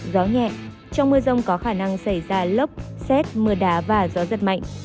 gió nhẹ trong mưa rông có khả năng xảy ra lốc xét mưa đá và gió giật mạnh